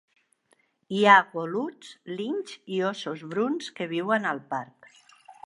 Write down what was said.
Hi ha goluts, linxs i óssos bruns que viuen al parc.